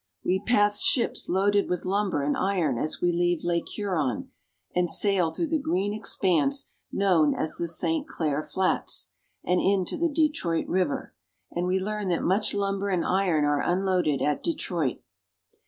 We pass ships loaded with lumber and iron as we leave Lake Huron and sail through the green expanse known as the St. Clair Flats, and into the Detroit River; and we learn that much lumber and iron are unloaded at Detroit.